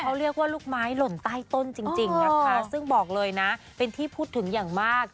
เขาเรียกว่าลูกไม้หล่นใต้ต้นจริงนะคะซึ่งบอกเลยนะเป็นที่พูดถึงอย่างมาก